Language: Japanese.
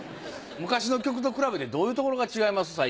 昔の曲と比べてどういうところが違います？